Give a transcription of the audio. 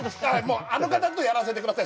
もうあの方とやらせてください